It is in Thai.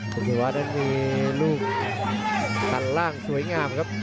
คุณศิวานั้นมีลูกตัดล่างสวยงามครับ